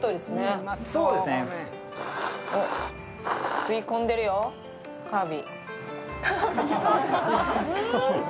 吸い込んでるよ、カービィ。